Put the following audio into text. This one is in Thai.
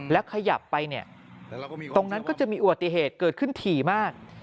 แล้วขยับไปเนี่ยตรงนั้นก็จะมีอุบัติเหตุเกิดขึ้นถี่มาก